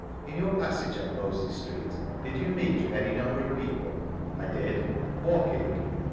In your passage up Mosley Street, did you meet with any number of people ?— 1 did. Walking